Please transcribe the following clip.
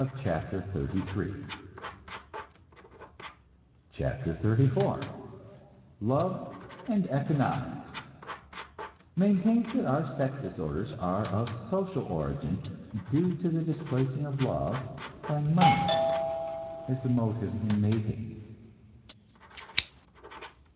CHAPTER XXXIV LOVE AND ECONOMICS (Maintains that our sex disorders are of social origin, due to the displacing of love by money as a motive in mating.)